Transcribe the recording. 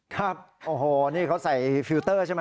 ครับโอ้โหนี่เขาใส่ฟิลเตอร์ใช่ไหม